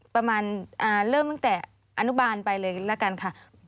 ประมาณเริ่มตั้งแต่อนุบาลไปเลยละกันค่ะ